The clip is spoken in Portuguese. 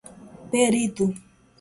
perito